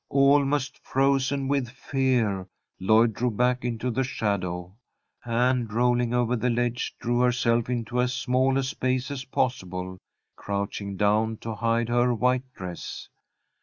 Almost frozen with fear, Lloyd drew back into the shadow, and, rolling over the ledge, drew herself into as small a space as possible, crouching down to hide her white dress.